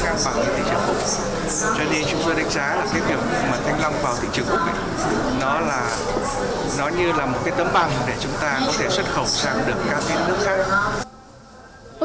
cho nên chúng tôi đánh giá là cái kiểu mà thanh long vào thị trường úc này nó như là một cái tấm bằng để chúng ta có thể xuất khẩu sang được các nước khác